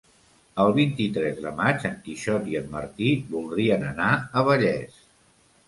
El vint-i-tres de maig en Quixot i en Martí voldrien anar a Vallés.